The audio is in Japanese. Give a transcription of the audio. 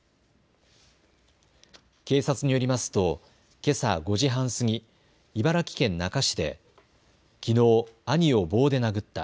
警察によりますとけさ５時半過ぎ、茨城県那珂市できのう兄を棒で殴った。